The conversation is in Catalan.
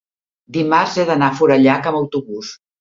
dimarts he d'anar a Forallac amb autobús.